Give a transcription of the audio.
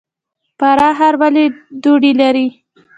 فراه ښار ولې دوړې لري؟